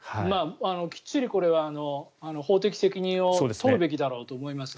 きっちりこれは法的責任を問うべきだろうと思いますね。